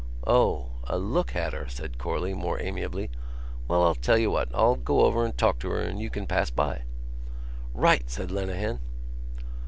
"O.... A look at her?" said Corley, more amiably. "Well ... I'll tell you what. I'll go over and talk to her and you can pass by." "Right!" said Lenehan.